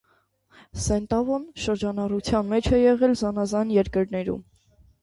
Սենտավոն շրջանառության մեջ է եղել զանազան երկրնրում։